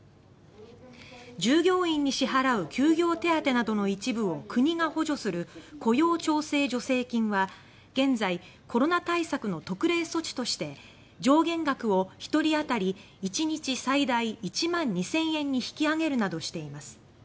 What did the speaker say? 従業員に支払う休業手当などの一部を国が補助する雇用調整助成金は現在、コロナ対策の特例措置として上限額を１人当たり１日最大１万２０００円に引き上げるなどしています。